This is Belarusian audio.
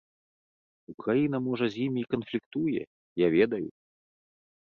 Украіна, можа, з імі і канфліктуе, я ведаю.